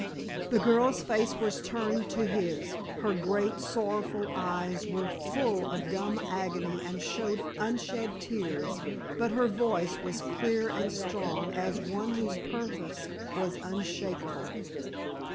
The girl's face was turned to his, her great, sorrowful eyes were full of dumb agony and showed unshed tears, but her voice was clear and strong as of one whose purpose was unshakable.